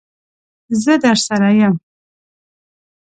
زه درسره یم.